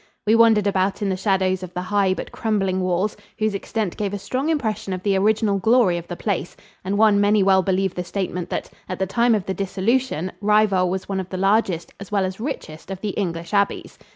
We wandered about in the shadows of the high but crumbling walls, whose extent gave a strong impression of the original glory of the place, and one may well believe the statement that, at the time of the Dissolution, Rievaulx was one of the largest as well as richest of the English abbeys.